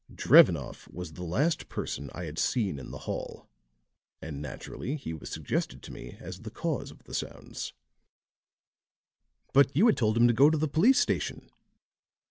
Drevenoff was the last person I had seen in the hall, and naturally he was suggested to me as the cause of the sounds." "But you had told him to go to the police station."